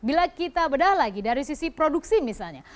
bila kita bedah lagi dari sisi produksi misalnya